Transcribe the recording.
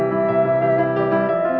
pergulungan howe tau